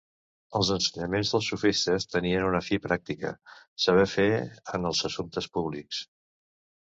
Els ensenyaments dels sofistes tenien una fi pràctica, saber fer en els assumptes públics.